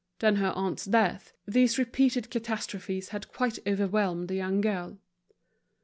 Then her aunt's death, these repeated catastrophes had quite overwhelmed the young girl.